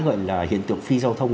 gọi là hiện tượng phi giao thông